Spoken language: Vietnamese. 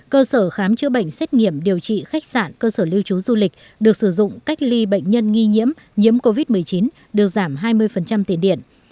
cơ sở khám chữa bệnh xét nghiệm điều trị khách sạn cơ sở lưu trú du lịch được sử dụng cách ly bệnh nhân nghi nhiễm nhiễm covid một mươi chín được giảm hai mươi tiền điện